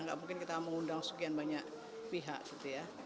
nggak mungkin kita mengundang sekian banyak pihak gitu ya